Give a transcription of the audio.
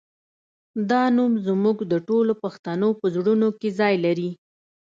دا نوم زموږ د ټولو پښتنو په زړونو کې ځای لري